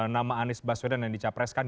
nama anies baswedan yang dicapreskan